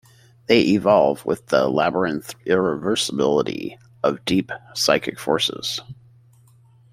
They evolve...with the labyrinthine irreversibility of deep psychic forces.